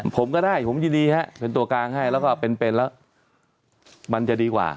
ผมก็ได้ผมยินดีฮะเป็นตัวกลางให้แล้วก็เป็นแล้วมันจะดีกว่า